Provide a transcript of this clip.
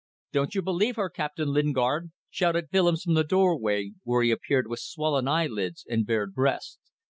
"Don't you believe her, Captain Lingard," shouted Willems from the doorway, where he appeared with swollen eyelids and bared breast.